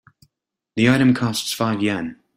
The item costs five Yen.